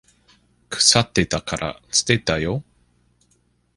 腐ってたから捨てたよ。